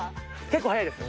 「結構速いです」